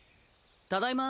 ・ただいま。